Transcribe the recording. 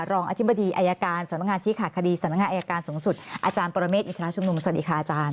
รองอธิบดีอายการสำนักงานชี้ขาดคดีสำนักงานอายการสูงสุดอาจารย์ปรเมฆอินทราชุมนุมสวัสดีค่ะอาจารย์